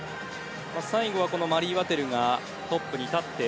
最後はマリー・ワテルがトップに立って。